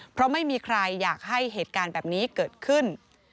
เพราะไม่มีใครอยากให้เหตุการณ์แบบนี้เกิดขึ้น